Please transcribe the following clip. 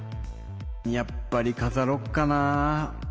やっぱりかざろっかなぁ。